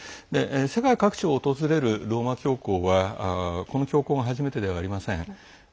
世界各地を訪れるローマ教皇はこの教皇が初めてではありません。